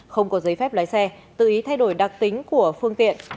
không có giấy phép lái xe tự ý thay đổi đặc tính của phương tiện